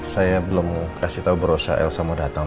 saya belum kasih tau bu rosa elsa mau datang